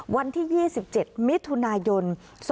วันที่๒๗มิถุนายน๒๕๖